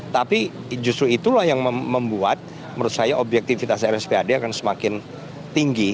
tapi justru itulah yang membuat menurut saya objektivitas rspad akan semakin tinggi